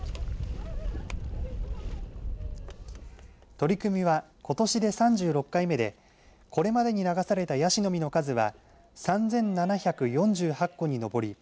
取り組みはことしで３６回目でこれまでに流されたやしの実の数は３７４８個にのぼり